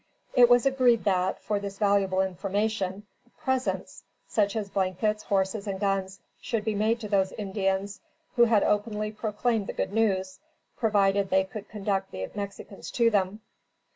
It was agreed that, for this valuable information, presents, such as blankets, horses, and guns, should be made to those Indians who had openly proclaimed the good news, provided they could conduct the Mexicans to them.